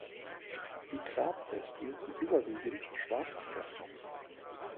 Die Grabwespen sind überwiegend schwarz gefärbt.